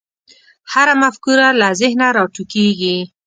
هره مفکوره له ذهنه راټوکېږي.